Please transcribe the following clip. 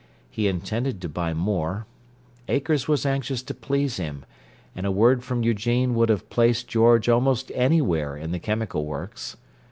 He intended to buy more; Akers was anxious to please him; and a word from Eugene would have placed George almost anywhere in the chemical works.